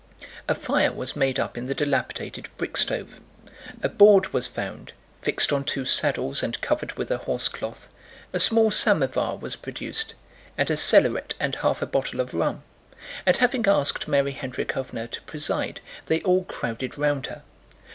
A fire was made up in the dilapidated brick stove. A board was found, fixed on two saddles and covered with a horsecloth, a small samovar was produced and a cellaret and half a bottle of rum, and having asked Mary Hendríkhovna to preside, they all crowded round her.